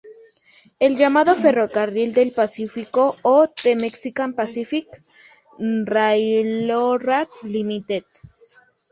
El llamado Ferrocarril del Pacífico o The Mexican Pacific Railroad Limited.